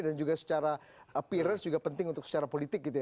dan juga secara appearance juga penting untuk secara politik gitu ya